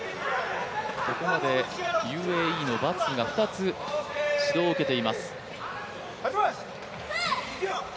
ここまでＵＡＥのバツフが２つ指導を受けています。